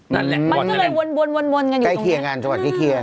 นั่นแหละมันก็เลยวนอยู่ตรงนั้นใกล้เคียงอ่ะจังหวัดเคียง